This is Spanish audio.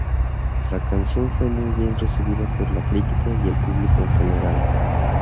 La canción fue muy bien recibida por la crítica y el público en general.